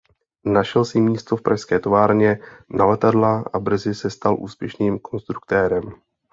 Našel si místo v pražské továrně na letadla a brzy se stal úspěšným konstruktérem.